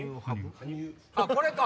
あっこれか。